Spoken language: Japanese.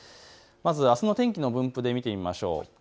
まずあすの天気の分布で見てみましょう。